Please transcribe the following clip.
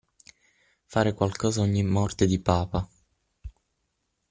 Fare qualcosa ogni morte di papa.